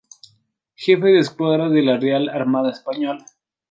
Jefe de escuadra de la Real Armada Española.